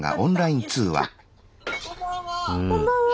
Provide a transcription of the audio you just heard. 「こんばんは」。